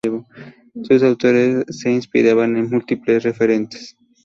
Sus autores se inspiraban en múltiples referentes.